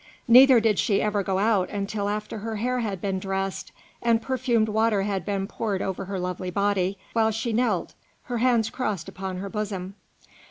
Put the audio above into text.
Neither did she ever go out until after her hair had been dressed, and perfumed water had been poured over her lovely body, while she knelt, her hands crossed upon her bosom.